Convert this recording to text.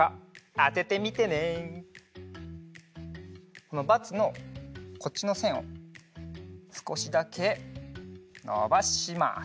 このバツのこっちのせんをすこしだけのばします。